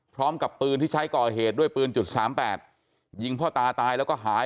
พร้อมกับปืนที่ใช้ก่อเหตุด้วยปืนจุดสามแปดยิงพ่อตาตายแล้วก็หาย